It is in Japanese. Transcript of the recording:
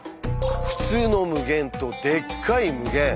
「ふつうの無限」と「でっかい無限」